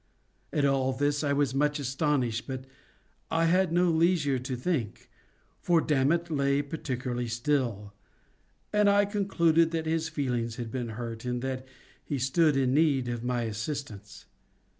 At all this I was much astonished; but I had no leisure to think, for Dammit lay particularly still, and I concluded that his feelings had been hurt, and that he stood in need of my assistance.